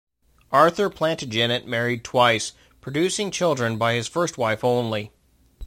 Arthur Plantagenet married twice, producing children by his first wife only.